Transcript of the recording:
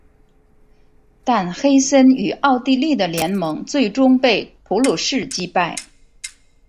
但黑森与奥地利的联盟最终被普鲁士击败。